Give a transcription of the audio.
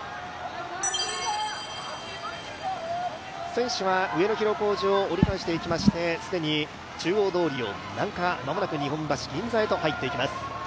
先週は上野広小路を折り返していきまして、既に中央通りを南下間もなく日本橋・銀座へと入っていきます。